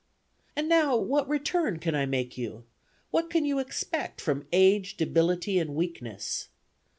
And now what return can I make you? What can you expect from age, debility and weakness?